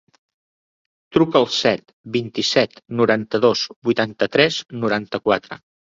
Truca al set, vint-i-set, noranta-dos, vuitanta-tres, noranta-quatre.